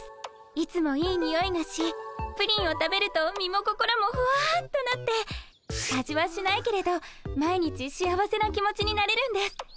いつもいいにおいがしプリンを食べると身も心もほわっとなって味はしないけれど毎日幸せな気持ちになれるんです。